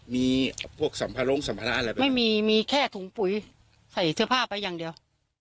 มีพวกสัมภารงสัมภาระอะไรแบบนี้ไม่มีมีแค่ถุงปุ๋ยใส่เสื้อผ้าไปอย่างเดียว